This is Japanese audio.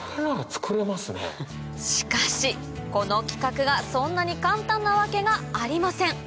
しかしこの企画がそんなに簡単なわけがありません